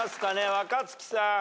若槻さん。